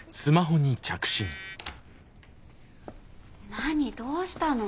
何どうしたの？